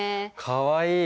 かわいい！